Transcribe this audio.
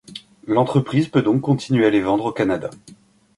L'entreprise peut donc continuer à les vendre au Canada.